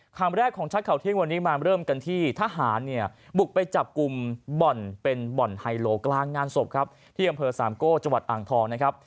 คำแรกของชัดข่าวเที่ยงวันนี้มาเริ่มกันที่ทหารเนี่ยบุกไปจับกลุ่มบ่อนเป็นบ่อนไฮโลกลางงานศพครับที่อำเภอสามโก้จังหวัดอ่างทองนะครับ